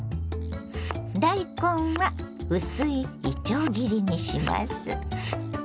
大根は薄いいちょう切りにします。